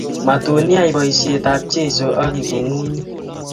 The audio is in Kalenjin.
Matun iyai boishet ab Jeso aking'ung'unyi